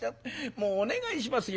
もうお願いしますよ。